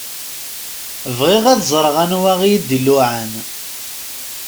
Bɣiɣ ad ẓṛeɣ anwa i d-iluɛan.